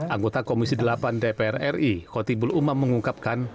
anggota komisi delapan dpr ri koti bulumam mengungkapkan